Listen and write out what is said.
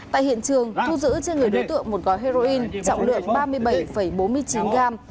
tại hiện trường thu giữ trên người đối tượng một gói heroin trọng lượng ba mươi bảy bốn mươi chín gram